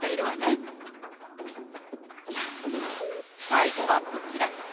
最後はこちら。